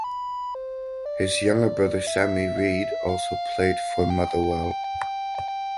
His younger brother Sammy Reid also played for Motherwell.